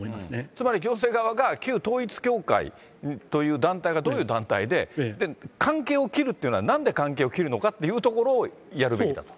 つまり行政側が旧統一教会という団体がどういう団体で、関係を切るっていうのはなんで関係を切るのかというところをやるべきだと。